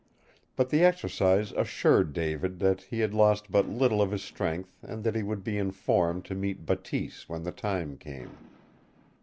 But the exercise assured David that he had lost but little of his strength and that he would be in form to meet Bateese when the time came.